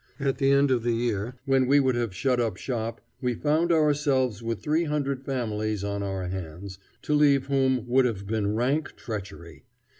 At the end of the year, when we would have shut up shop, we found ourselves with three hundred families on our hands, to leave whom would have been rank treachery.